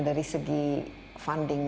dari segi funding